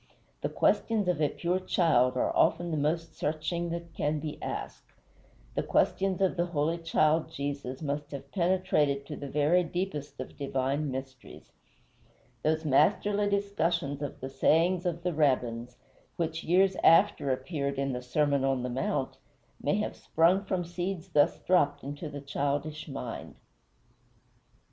The questions of a pure child are often the most searching that can be asked; the questions of the holy child Jesus must have penetrated to the very deepest of divine mysteries. Those masterly discussions of the sayings of the Rabbins, which years after appeared in the Sermon on the Mount, may have sprung from seeds thus dropped into the childish mind.